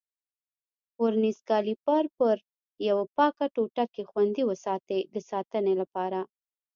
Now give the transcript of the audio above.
ورنیز کالیپر پر یوه پاکه ټوټه کې خوندي وساتئ د ساتنې لپاره.